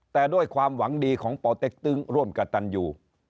แต่ด้วยความหวังดีของปเต็กตึงร่วมกับตันยู